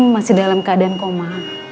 masih dalam keadaan koma